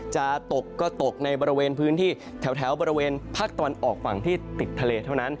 จะตกในบารวรณ์พื้นที่แถวบารวรณ์ภาคตะวันออกฝั่งที่ติดทะเลเท่านั้น